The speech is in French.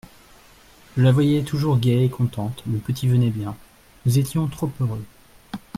Je la voyais toujours gaie et contente, le petit venait bien ; nous étions trop heureux.